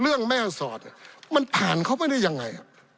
เรื่องแม่สอดเนี่ยมันผ่านเขาไปได้ยังไง